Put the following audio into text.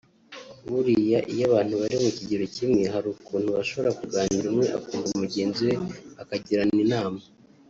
buriya iyo abantu bari mu kigero kimwe hari ukuntu bashobora kuganira umwe akumva mugenzi we bakagirana inama